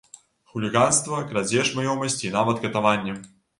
Хуліганства, крадзеж маёмасці, і нават катаванне!